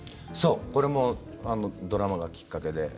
これがドラマがきっかけで。